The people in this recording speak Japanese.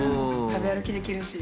食べ歩きできるし。